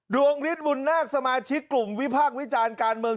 ดวงฤทธิบุญนาคสมาชิกกลุ่มวิพากษ์วิจารณ์การเมือง